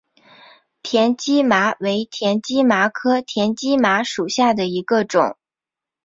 田基麻为田基麻科田基麻属下的一个种。